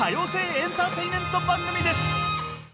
エンターテインメント番組です。